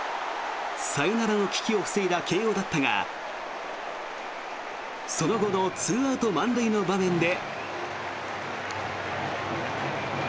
サヨナラの危機を防いだ慶応だったがその後の２アウト満塁の場面で。